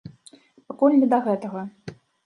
Пакуль не да гэтага.